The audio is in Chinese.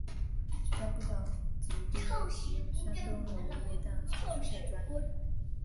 旨在部长级毕业于山东农业大学蔬菜专业。